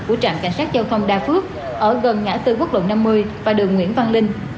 của trạm cảnh sát giao thông đa phước ở gần ngã tư quốc lộ năm mươi và đường nguyễn văn linh